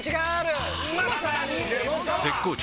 絶好調！！